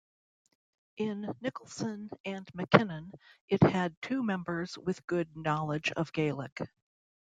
In Nicolson and Mackinnon it had two members with good knowledge of Gaelic.